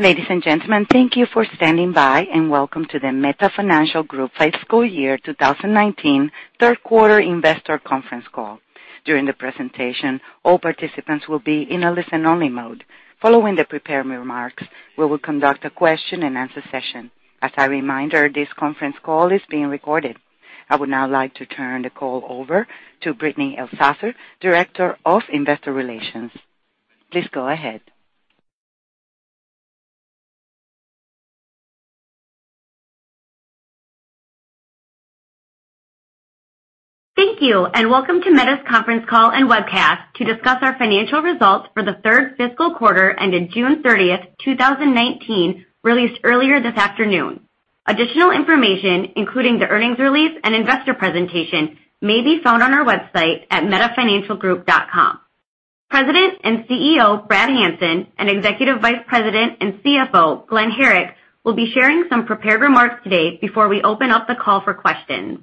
Ladies and gentlemen, thank you for standing by, and welcome to the Meta Financial Group fiscal year 2019 third quarter investor conference call. During the presentation, all participants will be in a listen-only mode. Following the prepared remarks, we will conduct a question-and-answer session. As a reminder, this conference call is being recorded. I would now like to turn the call over to Brittany Elsasser, Director of Investor Relations. Please go ahead. Thank you, welcome to Meta's conference call and webcast to discuss our financial results for the third fiscal quarter, ending June 30, 2019, released earlier this afternoon. Additional information, including the earnings release and investor presentation, may be found on our website at metafinancialgroup.com. President and CEO, Brad Hanson, Executive Vice President and CFO, Glen Herrick, will be sharing some prepared remarks today before we open up the call for questions.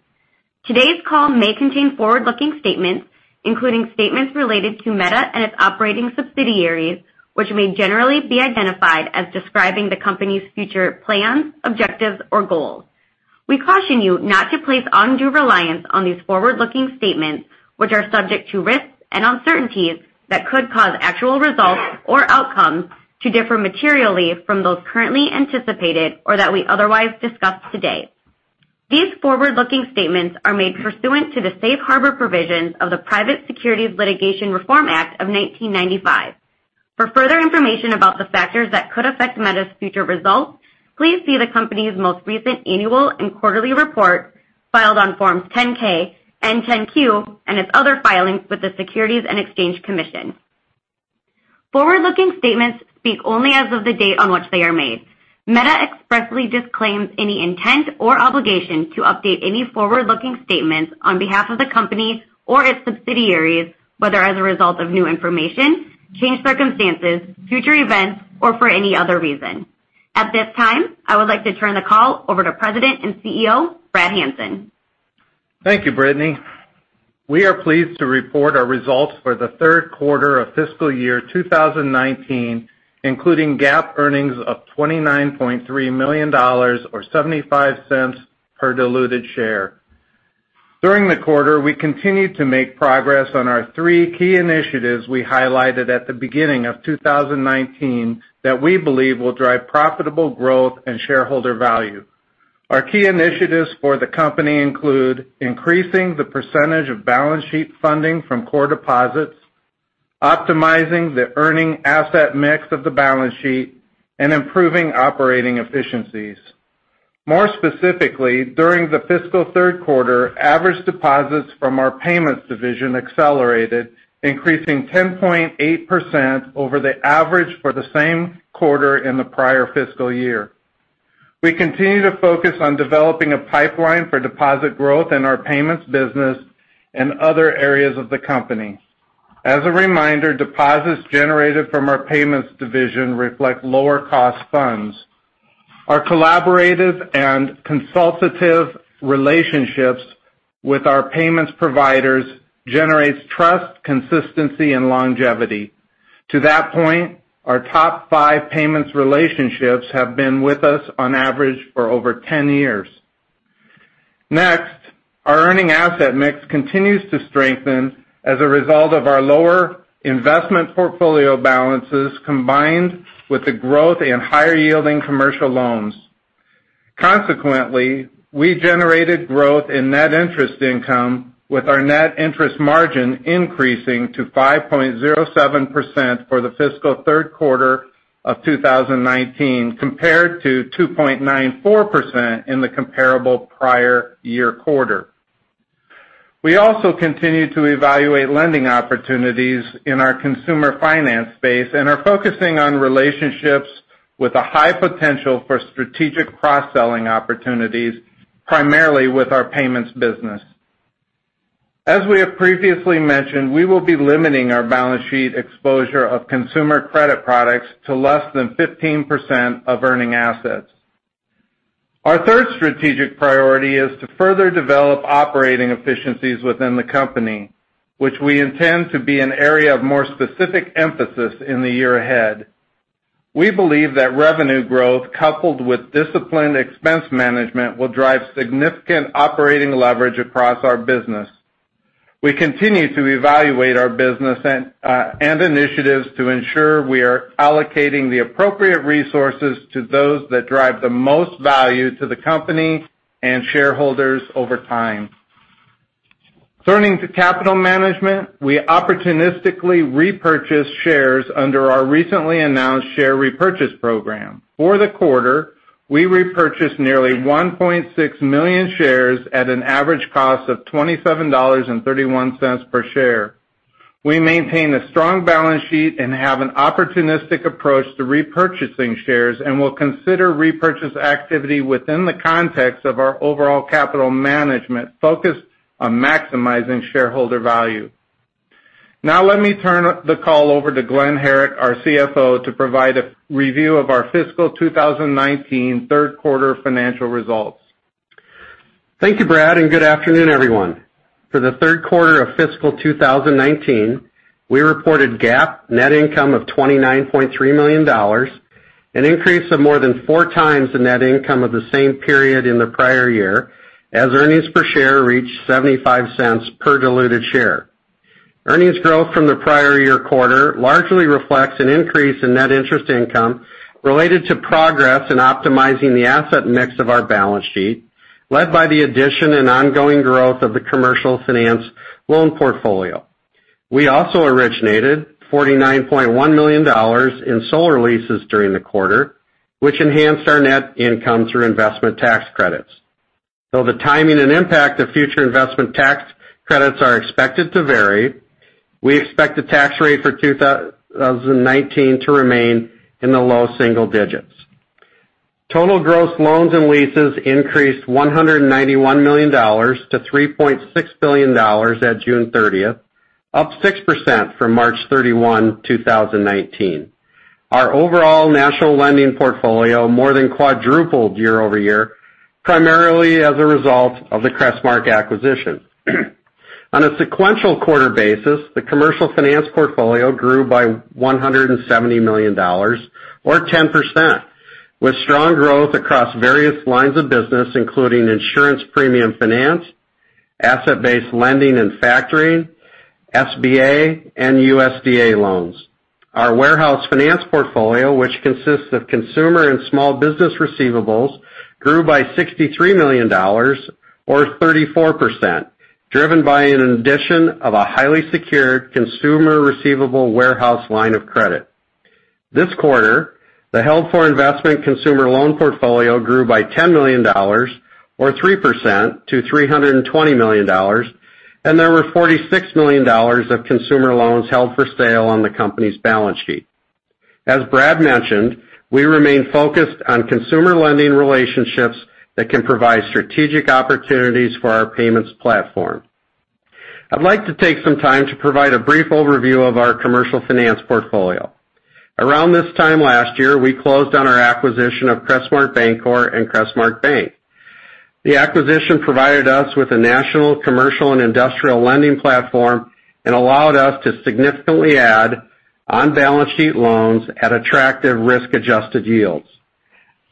Today's call may contain forward-looking statements, including statements related to Meta and its operating subsidiaries, which may generally be identified as describing the company's future plans, objectives, or goals. We caution you not to place undue reliance on these forward-looking statements, which are subject to risks and uncertainties that could cause actual results or outcomes to differ materially from those currently anticipated or that we otherwise discuss today. These forward-looking statements are made pursuant to the safe harbor provisions of the Private Securities Litigation Reform Act of 1995. For further information about the factors that could affect Meta's future results, please see the company's most recent annual and quarterly report filed on forms 10-K and 10-Q, and its other filings with the Securities and Exchange Commission. Forward-looking statements speak only as of the date on which they are made. Meta expressly disclaims any intent or obligation to update any forward-looking statements on behalf of the company or its subsidiaries, whether as a result of new information, changed circumstances, future events, or for any other reason. At this time, I would like to turn the call over to President and CEO, Brad Hanson. Thank you, Brittany. We are pleased to report our results for the third quarter of fiscal year 2019, including GAAP earnings of $29.3 million, or $0.75 per diluted share. During the quarter, we continued to make progress on our three key initiatives we highlighted at the beginning of 2019 that we believe will drive profitable growth and shareholder value. Our key initiatives for the company include increasing the percentage of balance sheet funding from core deposits, optimizing the earning asset mix of the balance sheet, and improving operating efficiencies. More specifically, during the fiscal third quarter, average deposits from our payments division accelerated, increasing 10.8% over the average for the same quarter in the prior fiscal year. We continue to focus on developing a pipeline for deposit growth in our payments business and other areas of the company. As a reminder, deposits generated from our payments division reflect lower-cost funds. Our collaborative and consultative relationships with our payments providers generates trust, consistency, and longevity. To that point, our top five payments relationships have been with us on average for over 10 years. Next, our earning asset mix continues to strengthen as a result of our lower investment portfolio balances, combined with the growth in higher-yielding commercial loans. Consequently, we generated growth in net interest income, with our net interest margin increasing to 5.07% for the fiscal third quarter of 2019, compared to 2.94% in the comparable prior year quarter. We also continue to evaluate lending opportunities in our consumer finance space and are focusing on relationships with a high potential for strategic cross-selling opportunities, primarily with our payments business. As we have previously mentioned, we will be limiting our balance sheet exposure of consumer credit products to less than 15% of earning assets. Our third strategic priority is to further develop operating efficiencies within the company, which we intend to be an area of more specific emphasis in the year ahead. We believe that revenue growth, coupled with disciplined expense management, will drive significant operating leverage across our business. We continue to evaluate our business and initiatives to ensure we are allocating the appropriate resources to those that drive the most value to the company and shareholders over time. Turning to capital management, we opportunistically repurchase shares under our recently announced share repurchase program. For the quarter, we repurchased nearly 1.6 million shares at an average cost of $27.31 per share. We maintain a strong balance sheet and have an opportunistic approach to repurchasing shares and will consider repurchase activity within the context of our overall capital management focused on maximizing shareholder value. Let me turn the call over to Glen Herrick, our CFO, to provide a review of our fiscal 2019 third-quarter financial results. Thank you, Brad, and good afternoon everyone. For the third quarter of fiscal 2019, we reported GAAP net income of $29.3 million, an increase of more than four times the net income of the same period in the prior year, as earnings per share reached $0.75 per diluted share. Earnings growth from the prior year quarter largely reflects an increase in net interest income related to progress in optimizing the asset mix of our balance sheet, led by the addition and ongoing growth of the commercial finance loan portfolio. We also originated $49.1 million in solar leases during the quarter, which enhanced our net income through investment tax credits. Though the timing and impact of future investment tax credits are expected to vary, we expect the tax rate for 2019 to remain in the low single digits. Total gross loans and leases increased $191 million to $3.6 billion at June 30th, up 6% from March 31, 2019. Our overall national lending portfolio more than quadrupled year-over-year, primarily as a result of the Crestmark acquisition. On a sequential quarter basis, the commercial finance portfolio grew by $170 million or 10%, with strong growth across various lines of business, including insurance premium finance, asset-based lending and factoring, SBA, and USDA loans. Our warehouse finance portfolio, which consists of consumer and small business receivables, grew by $63 million or 34%, driven by an addition of a highly secured consumer receivable warehouse line of credit. This quarter, the held-for-investment consumer loan portfolio grew by $10 million or 3% to $320 million, and there were $46 million of consumer loans held for sale on the company's balance sheet. As Brad mentioned, we remain focused on consumer lending relationships that can provide strategic opportunities for our payments platform. I'd like to take some time to provide a brief overview of our commercial finance portfolio. Around this time last year, we closed on our acquisition of Crestmark Bancorp and Crestmark Bank. The acquisition provided us with a national commercial and industrial lending platform and allowed us to significantly add on-balance sheet loans at attractive risk-adjusted yields.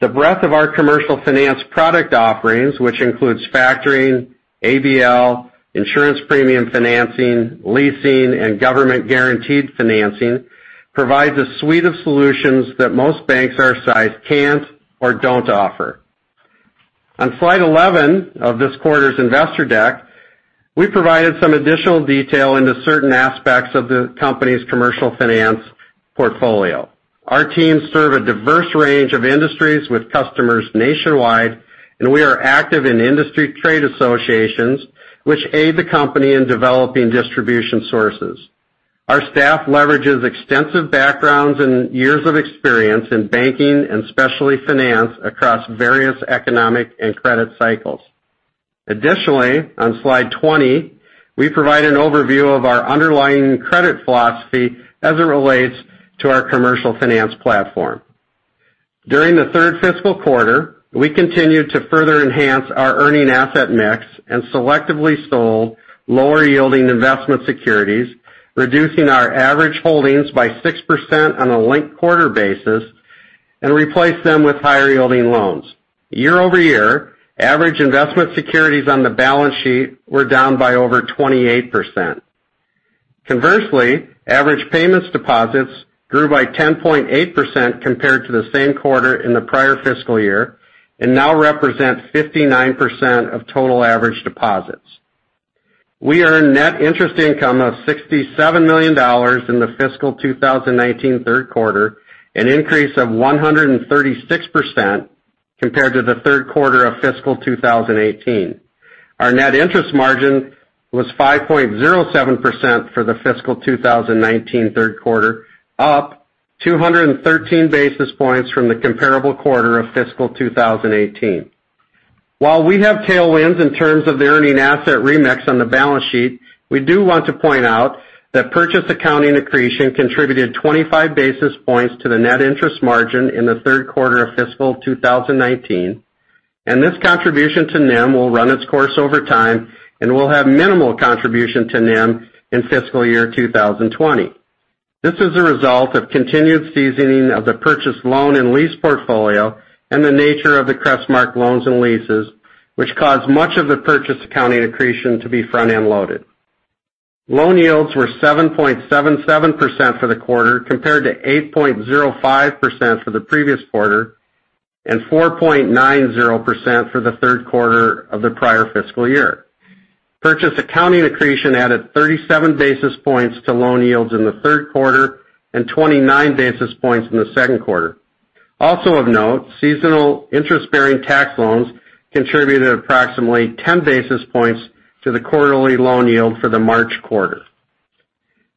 The breadth of our commercial finance product offerings, which includes factoring, ABL, insurance premium financing, leasing, and government-guaranteed financing, provides a suite of solutions that most banks our size can't or don't offer. On slide 11 of this quarter's investor deck, we provided some additional detail into certain aspects of the company's commercial finance portfolio. Our teams serve a diverse range of industries with customers nationwide, and we are active in industry trade associations which aid the company in developing distribution sources. Our staff leverages extensive backgrounds and years of experience in banking and specialty finance across various economic and credit cycles. Additionally, on slide 20, we provide an overview of our underlying credit philosophy as it relates to our commercial finance platform. During the third fiscal quarter, we continued to further enhance our earning asset mix and selectively sold lower-yielding investment securities, reducing our average holdings by 6% on a linked-quarter basis and replaced them with higher-yielding loans. Year-over-year, average investment securities on the balance sheet were down by over 28%. Conversely, average payments deposits grew by 10.8% compared to the same quarter in the prior fiscal year and now represent 59% of total average deposits. We earned net interest income of $67 million in the fiscal 2019 third quarter, an increase of 136% compared to the third quarter of fiscal 2018. Our net interest margin was 5.07% for the fiscal 2019 third quarter, up 213 basis points from the comparable quarter of fiscal 2018. While we have tailwinds in terms of the earning asset remix on the balance sheet, we do want to point out that purchase accounting accretion contributed 25 basis points to the net interest margin in the third quarter of fiscal 2019, and this contribution to NIM will run its course over time and will have minimal contribution to NIM in fiscal year 2020. This is a result of continued seasoning of the purchased loan and lease portfolio and the nature of the Crestmark loans and leases, which caused much of the purchase accounting accretion to be front-end loaded. Loan yields were 7.77% for the quarter compared to 8.05% for the previous quarter and 4.90% for the third quarter of the prior fiscal year. Purchase accounting accretion added 37 basis points to loan yields in the third quarter and 29 basis points in the second quarter. Also of note, seasonal interest-bearing tax loans contributed approximately 10 basis points to the quarterly loan yield for the March quarter.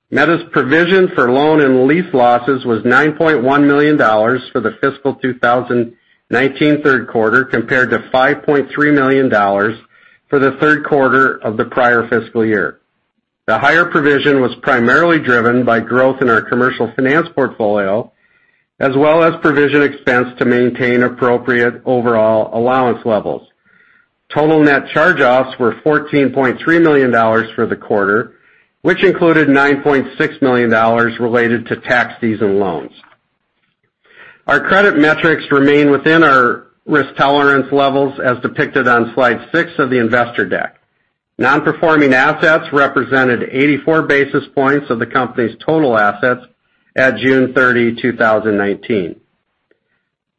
Meta's provision for loan and lease losses was $9.1 million for the fiscal 2019 third quarter, compared to $5.3 million for the third quarter of the prior fiscal year. The higher provision was primarily driven by growth in our commercial finance portfolio as well as provision expense to maintain appropriate overall allowance levels. Total net charge-offs were $14.3 million for the quarter, which included $9.6 million related to tax-season loans. Our credit metrics remain within our risk tolerance levels, as depicted on slide six of the investor deck. Non-performing assets represented 84 basis points of the company's total assets at June 30, 2019.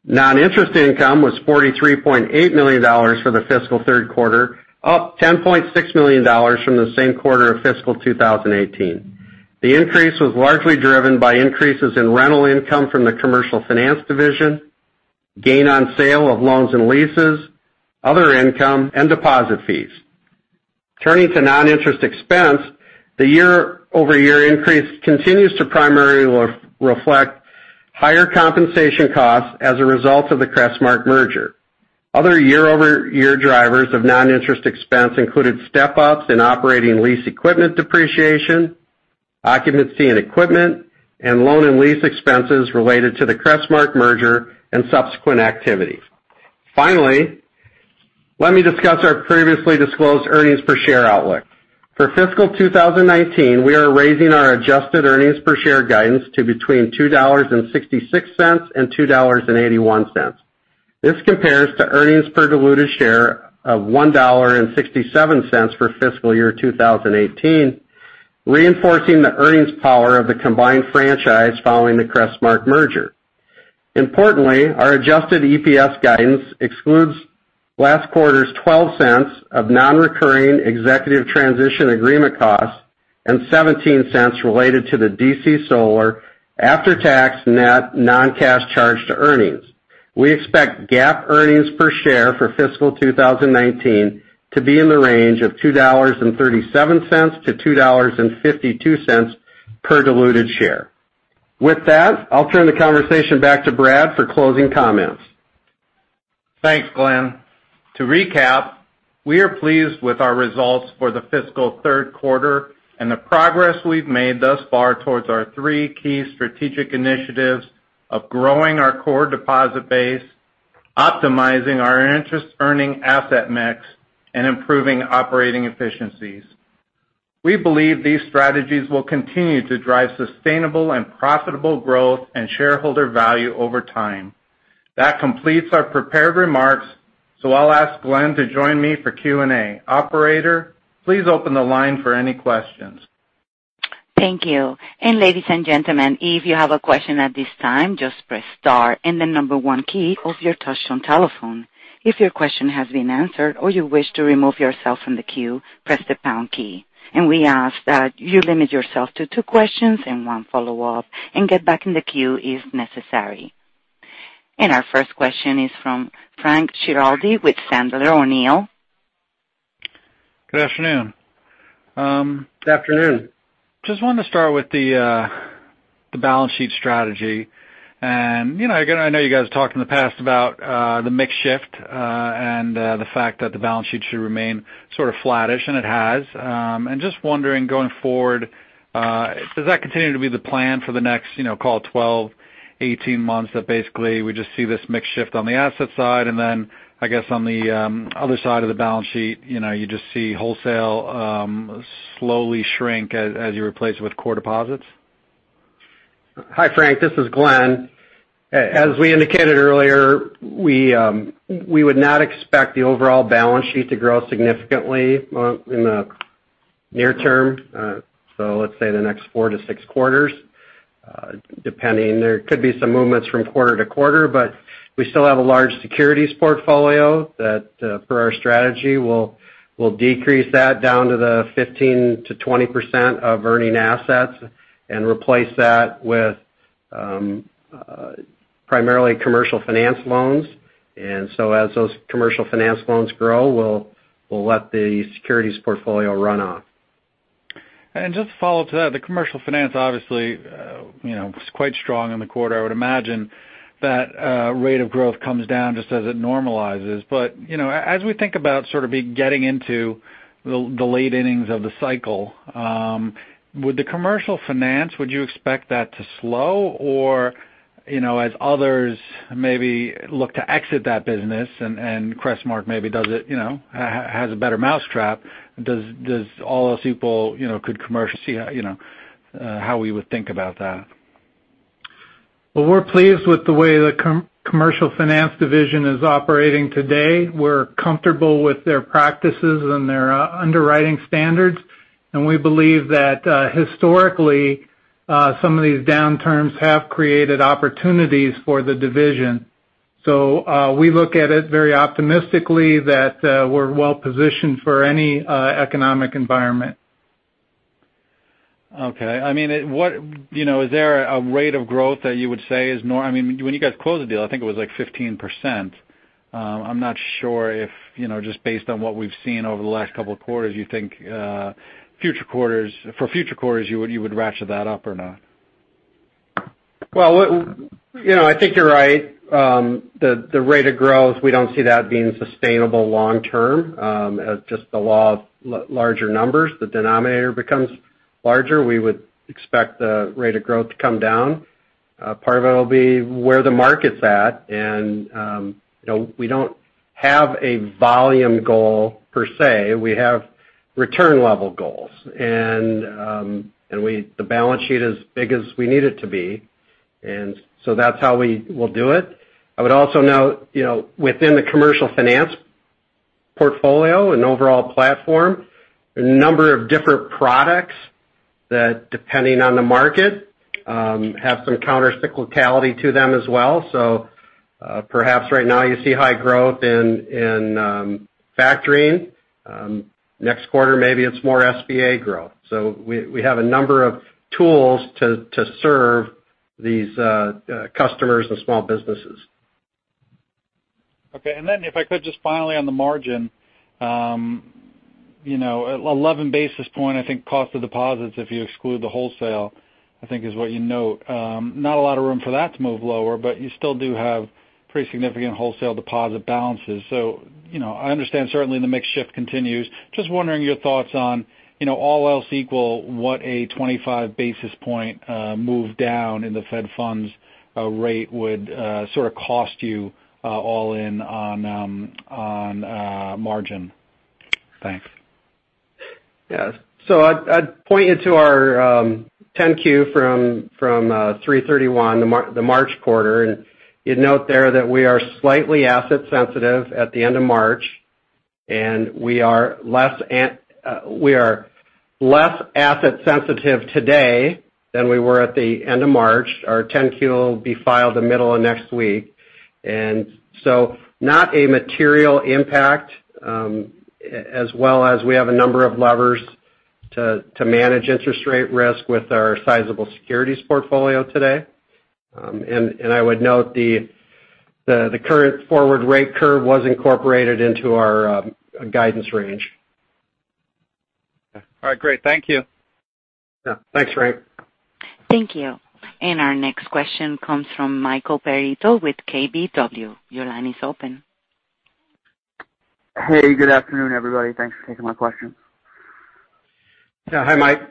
Non-interest income was $43.8 million for the fiscal third quarter, up $10.6 million from the same quarter of fiscal 2018. The increase was largely driven by increases in rental income from the commercial finance division, gain on sale of loans and leases, other income, and deposit fees. Turning to non-interest expense, the year-over-year increase continues to primarily reflect higher compensation costs as a result of the Crestmark merger. Other year-over-year drivers of non-interest expense included step-ups in operating lease equipment depreciation, occupancy and equipment, and loan and lease expenses related to the Crestmark merger and subsequent activities. Finally, let me discuss our previously disclosed earnings per share outlook. For fiscal 2019, we are raising our adjusted earnings per share guidance to between $2.66 and $2.81. This compares to earnings per diluted share of $1.67 for fiscal year 2018, reinforcing the earnings power of the combined franchise following the Crestmark merger. Importantly, our adjusted EPS guidance excludes last quarter's $0.12 of non-recurring executive transition agreement costs and $0.17 related to the DC Solar after-tax net non-cash charge to earnings. We expect GAAP earnings per share for fiscal 2019 to be in the range of $2.37-$2.52 per diluted share. With that, I'll turn the conversation back to Brad for closing comments. Thanks, Glen. To recap, we are pleased with our results for the fiscal third quarter and the progress we've made thus far towards our three key strategic initiatives of growing our core deposit base, optimizing our interest-earning asset mix, and improving operating efficiencies. We believe these strategies will continue to drive sustainable and profitable growth and shareholder value over time. That completes our prepared remarks, so I'll ask Glen to join me for Q&A. Operator, please open the line for any questions. Thank you. Ladies and gentlemen, if you have a question at this time, just press star and the number 1 key of your touchtone telephone. If your question has been answered or you wish to remove yourself from the queue, press the pound key. We ask that you limit yourself to 2 questions and 1 follow-up and get back in the queue if necessary. Our first question is from Frank Schiraldi with Sandler O'Neill. Good afternoon. Good afternoon. Just wanted to start with the balance sheet strategy. I know you guys talked in the past about the mix shift, and the fact that the balance sheet should remain sort of flattish, and it has. Just wondering, going forward, does that continue to be the plan for the next, call it, 12, 18 months, that basically we just see this mix shift on the asset side, and then I guess on the other side of the balance sheet, you just see wholesale slowly shrink as you replace with core deposits? Hi, Frank. This is Glen. As we indicated earlier, we would not expect the overall balance sheet to grow significantly in the near term. Let's say the next four to six quarters, depending. There could be some movements from quarter to quarter, we still have a large securities portfolio that for our strategy, we'll decrease that down to the 15%-20% of earning assets and replace that with primarily commercial finance loans. As those commercial finance loans grow, we'll let the securities portfolio run off. Just to follow to that, the commercial finance obviously was quite strong in the quarter. I would imagine that rate of growth comes down just as it normalizes. As we think about sort of getting into the late innings of the cycle, with the commercial finance, would you expect that to slow? As others maybe look to exit that business and Crestmark maybe has a better mousetrap, does all else equal, how we would think about that? Well, we're pleased with the way the commercial finance division is operating today. We're comfortable with their practices and their underwriting standards. We believe that historically, some of these downturns have created opportunities for the division. We look at it very optimistically that we're well-positioned for any economic environment. Okay. Is there a rate of growth that you would say? When you guys closed the deal, I think it was, like, 15%. I'm not sure if, just based on what we've seen over the last couple of quarters, you think for future quarters, you would ratchet that up or not? Well, I think you're right. The rate of growth, we don't see that being sustainable long term. Just the law of larger numbers. The denominator becomes larger, we would expect the rate of growth to come down. Part of it will be where the market's at. We don't have a volume goal, per se. We have return level goals. The balance sheet is as big as we need it to be. That's how we will do it. I would also note, within the commercial finance portfolio and overall platform, there are a number of different products that, depending on the market, have some counter cyclicality to them as well. Perhaps right now you see high growth in factoring. Next quarter, maybe it's more SBA growth. We have a number of tools to serve these customers and small businesses. Okay. If I could just finally on the margin. 11 basis point, I think cost of deposits, if you exclude the wholesale, I think is what you note. Not a lot of room for that to move lower, but you still do have pretty significant wholesale deposit balances. I understand certainly the mix shift continues. Just wondering your thoughts on, all else equal, what a 25 basis point move down in the Fed funds rate would sort of cost you all in on margin. Thanks. Yes. I'd point you to our 10-Q from 3/31, the March quarter. You'd note there that we are slightly asset sensitive at the end of March, and we are less asset sensitive today than we were at the end of March. Our 10-Q will be filed the middle of next week. Not a material impact, as well as we have a number of levers to manage interest rate risk with our sizable securities portfolio today. I would note the current forward rate curve was incorporated into our guidance range. Okay. All right, great. Thank you. Yeah. Thanks, Frank. Thank you. Our next question comes from Michael Perito with KBW. Your line is open. Hey, good afternoon, everybody. Thanks for taking my questions. Yeah. Hi, Mike.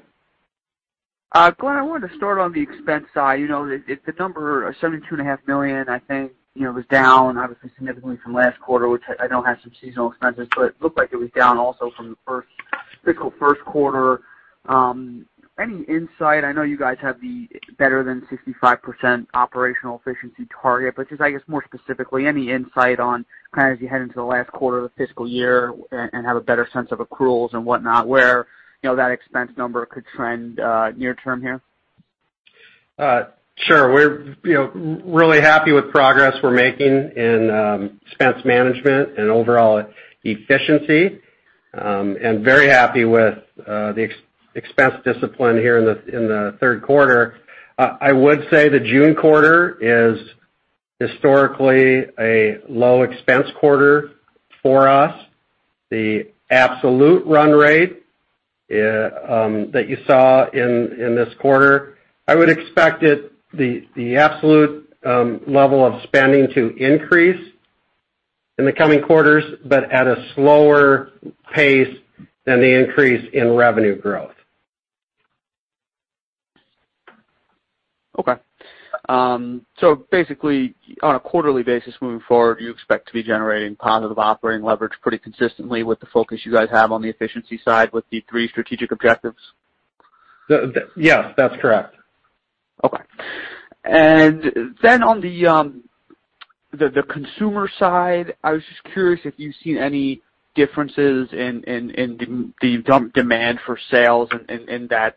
Glen, I wanted to start on the expense side. The number, $72.5 million, I think was down, obviously significantly from last quarter, which I know has some seasonal expenses, but it looked like it was down also from the fiscal first quarter. Any insight? I know you guys have the better than 65% operational efficiency target, but just I guess more specifically, any insight on kind of as you head into the last quarter of the fiscal year and have a better sense of accruals and whatnot, where that expense number could trend near term here? Sure. We're really happy with progress we're making in expense management and overall efficiency. Very happy with the expense discipline here in the third quarter. I would say the June quarter is historically a low expense quarter for us. The absolute run rate that you saw in this quarter, I would expect the absolute level of spending to increase in the coming quarters, but at a slower pace than the increase in revenue growth. Okay. Basically, on a quarterly basis moving forward, you expect to be generating positive operating leverage pretty consistently with the focus you guys have on the efficiency side with the three strategic objectives? Yes, that's correct. Okay. On the consumer side, I was just curious if you've seen any differences in the demand for sales in that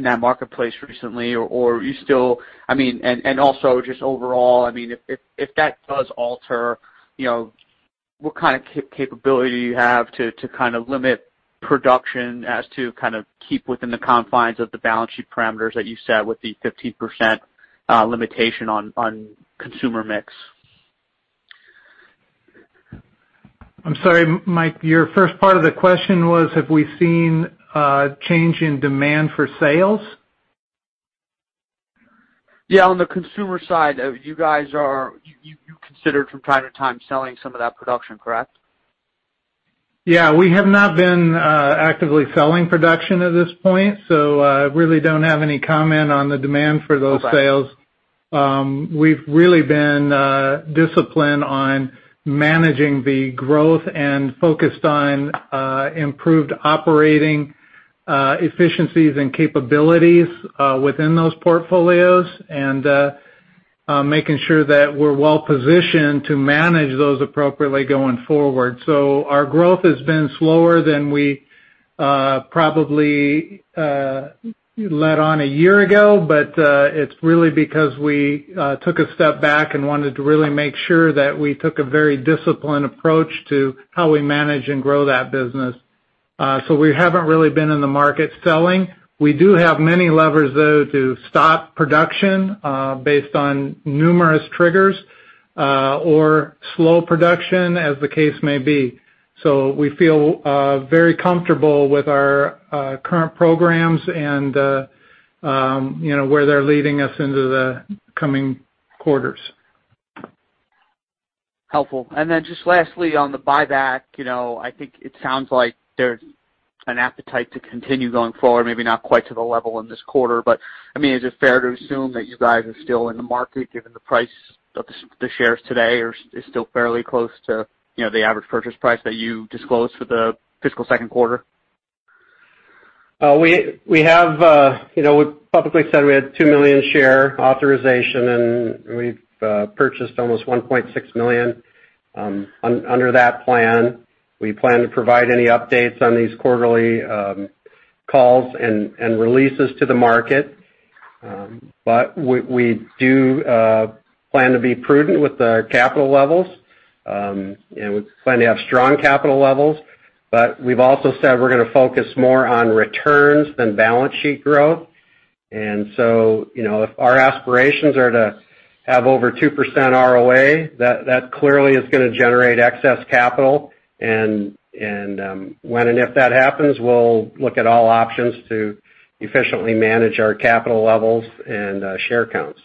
marketplace recently, or are you still, and also just overall, if that does alter, what kind of capability do you have to kind of limit production as to kind of keep within the confines of the balance sheet parameters that you set with the 15% limitation on consumer mix? I'm sorry, Mike, your first part of the question was, have we seen a change in demand for sales? Yeah, on the consumer side, you guys considered from time to time selling some of that production, correct? Yeah, we have not been actively selling production at this point, so I really don't have any comment on the demand for those sales. Okay. We've really been disciplined on managing the growth and focused on improved operating efficiencies and capabilities within those portfolios, and making sure that we're well-positioned to manage those appropriately going forward. Our growth has been slower than we probably let on a year ago, but it's really because we took a step back and wanted to really make sure that we took a very disciplined approach to how we manage and grow that business. We haven't really been in the market selling. We do have many levers, though, to stop production based on numerous triggers, or slow production as the case may be. We feel very comfortable with our current programs and where they're leading us into the coming quarters. Helpful. Then just lastly, on the buyback, I think it sounds like there's an appetite to continue going forward, maybe not quite to the level in this quarter. Is it fair to assume that you guys are still in the market, given the price of the shares today is still fairly close to the average purchase price that you disclosed for the fiscal second quarter? We publicly said we had 2 million share authorization, and we've purchased almost 1.6 million under that plan. We plan to provide any updates on these quarterly calls and releases to the market. We do plan to be prudent with the capital levels, and we plan to have strong capital levels. We've also said we're going to focus more on returns than balance sheet growth. If our aspirations are to have over 2% ROA, that clearly is going to generate excess capital. When and if that happens, we'll look at all options to efficiently manage our capital levels and share counts.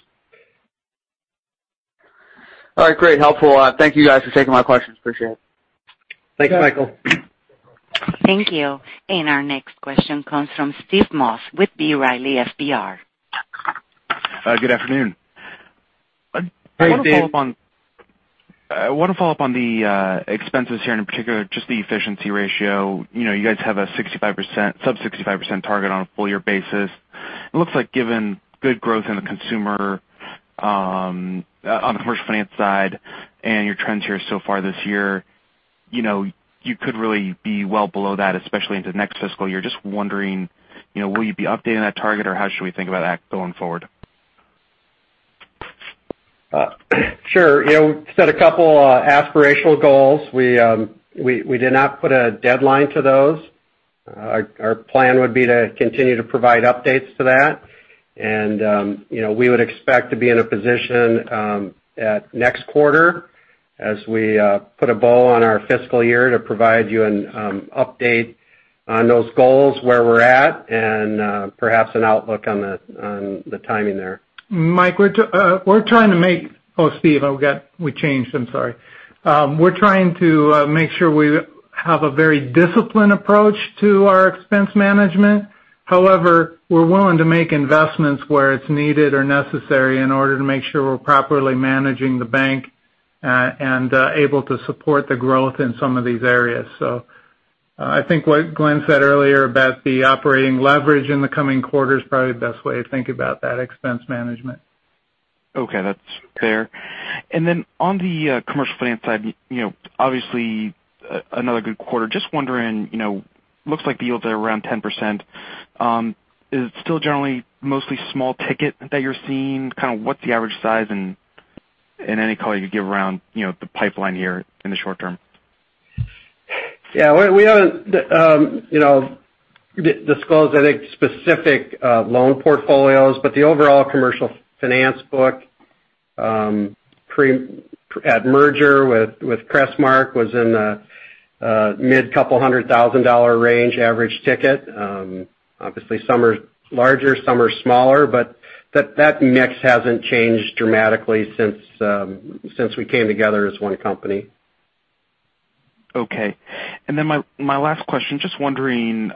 All right, great. Helpful. Thank you guys for taking my questions. Appreciate it. Thanks, Michael. Thank you. Our next question comes from Steve Moss with B. Riley FBR. Good afternoon. Hey, Steve. I want to follow up on the expenses here, in particular, just the efficiency ratio. You guys have a sub 65% target on a full year basis. It looks like given good growth in the consumer on the commercial finance side your trends here so far this year, you could really be well below that, especially into next fiscal year. Just wondering, will you be updating that target or how should we think about that going forward? Sure. We set a couple aspirational goals. We did not put a deadline to those. Our plan would be to continue to provide updates to that. We would expect to be in a position at next quarter as we put a bow on our fiscal year to provide you an update on those goals, where we're at, and perhaps an outlook on the timing there. Mike, oh, Steve, we changed. I'm sorry. We're trying to make sure we have a very disciplined approach to our expense management. We're willing to make investments where it's needed or necessary in order to make sure we're properly managing the bank and able to support the growth in some of these areas. I think what Glen said earlier about the operating leverage in the coming quarter is probably the best way to think about that expense management. Okay, that's fair. On the commercial finance side, obviously another good quarter. Just wondering, looks like the yields are around 10%. Is it still generally mostly small ticket that you're seeing? Kind of what's the average size? Any color you could give around the pipeline here in the short term. Yeah. We don't disclose, I think, specific loan portfolios, but the overall commercial finance book at merger with Crestmark was in the mid couple hundred thousand dollar range average ticket. Obviously some are larger, some are smaller, but that mix hasn't changed dramatically since we came together as one company. Okay. My last question, just wondering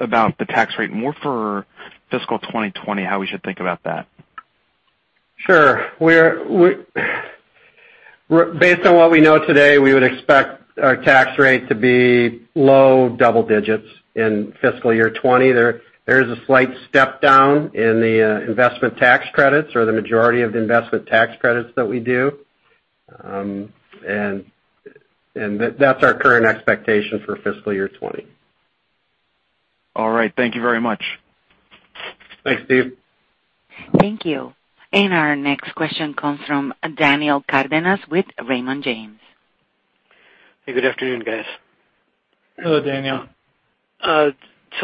about the tax rate more for fiscal 2020, how we should think about that. Sure. Based on what we know today, we would expect our tax rate to be low double digits in fiscal year 2020. There is a slight step down in the investment tax credits or the majority of the investment tax credits that we do. That's our current expectation for fiscal year 2020. All right. Thank you very much. Thanks, Steve. Thank you. Our next question comes from Daniel Cardenas with Raymond James. Hey, good afternoon, guys. Hello, Daniel.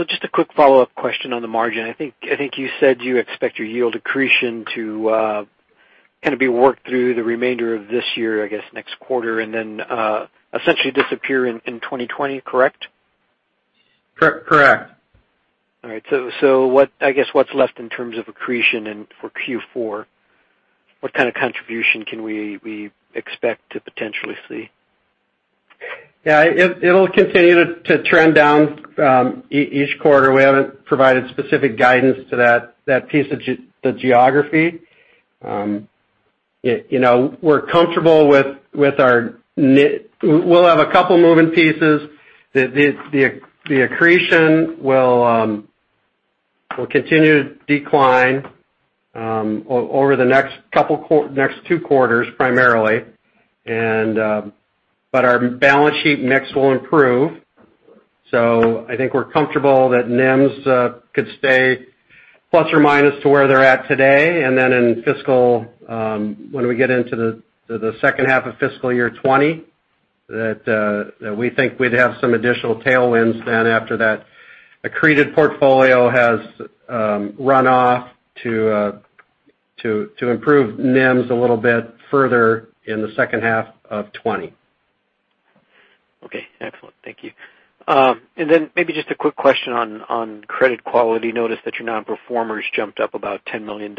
Just a quick follow-up question on the margin. I think you said you expect your yield accretion to kind of be worked through the remainder of this year, I guess, next quarter, and then essentially disappear in 2020, correct? Correct. All right. I guess what's left in terms of accretion and for Q4, what kind of contribution can we expect to potentially see? It'll continue to trend down each quarter. We haven't provided specific guidance to that piece of the geography. We're comfortable with we'll have a couple moving pieces. The accretion will continue to decline over the next two quarters primarily. Our balance sheet mix will improve. I think we're comfortable that NIMS could stay plus or minus to where they're at today. When we get into the second half of fiscal year 2020, that we think we'd have some additional tailwinds then after that accreted portfolio has run off to improve NIMS a little bit further in the second half of 2020. Okay, excellent. Thank you. Maybe just a quick question on credit quality. Noticed that your non-performers jumped up about $10 million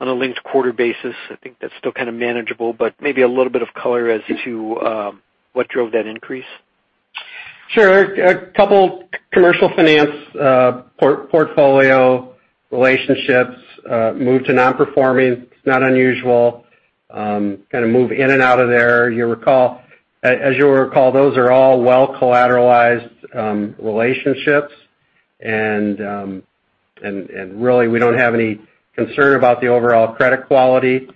on a linked quarter basis. I think that's still kind of manageable, maybe a little bit of color as to what drove that increase. Sure. A couple commercial finance portfolio relationships moved to non-performing. It's not unusual. Kind of move in and out of there. As you'll recall, those are all well collateralized relationships. Really, we don't have any concern about the overall credit quality.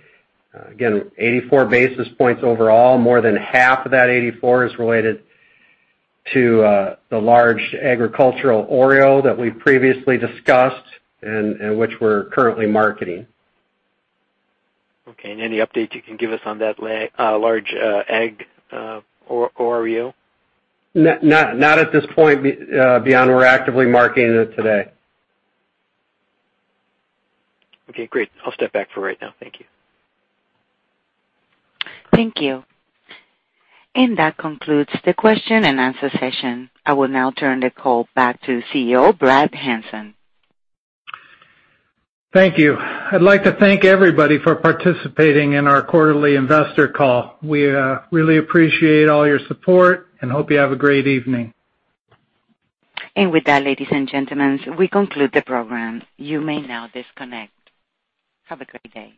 Again, 84 basis points overall. More than half of that 84 is related to the large agricultural OREO that we previously discussed and which we're currently marketing. Okay, any update you can give us on that large ag OREO? Not at this point beyond we're actively marketing it today. Okay, great. I'll step back for right now. Thank you. Thank you. That concludes the question and answer session. I will now turn the call back to CEO, Brad Hanson. Thank you. I'd like to thank everybody for participating in our quarterly investor call. We really appreciate all your support and hope you have a great evening. With that, ladies and gentlemen, we conclude the program. You may now disconnect. Have a great day.